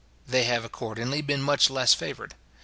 They have accordingly been much less favoured.